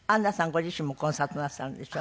ご自身もコンサートなさるんでしょ？